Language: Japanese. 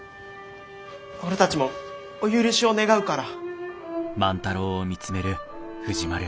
俺たちもお許しを願うから！